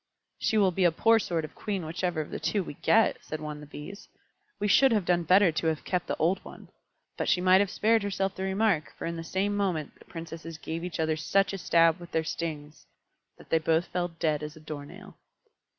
"She will be a poor sort of Queen whichever of the two we get," said one of the Bees. "We should have done better to have kept the old one." But she might have spared herself the remark, for in the same moment the Princesses gave each other such a stab with their stings that they both fell dead as a door nail.